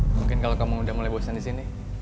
mungkin kalau kamu udah mulai bosan disini